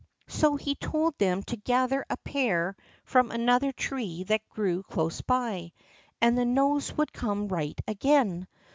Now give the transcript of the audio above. So he told them to gather a pear from another tree that grew close by, and the nose would come right again.